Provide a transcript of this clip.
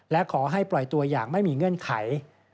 และขอให้ปล่อยตัวอย่างไม่มีเงื่อนไข